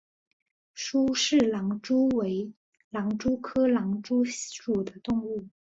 苏氏狼蛛为狼蛛科狼蛛属的动物。